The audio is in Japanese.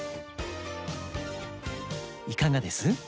いかがです？